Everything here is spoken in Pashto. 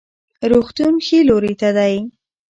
روغتون ښي لوري ته دی